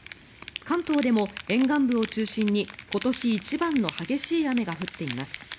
関東でも沿岸部を中心に今年一番の激しい雨が降っています。